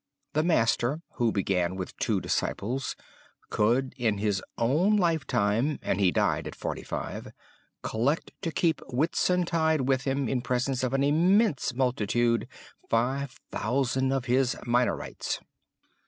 The master, who began with two disciples, could in his own lifetime (and he died at forty five) collect to keep Whitsuntide with him, in presence of an immense multitude, five thousand of his Minorites.